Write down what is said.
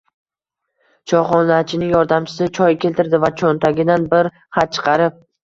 Choyxonachining yordamchisi choy keltirdi va cho'ntagidan bir xat chiqarib